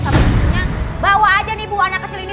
sama sama punya bawa aja nih bu anak kecil ini